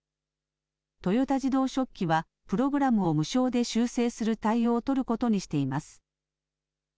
豊田自動織機は、プログラムを無償で修正する対応を取ることにしています。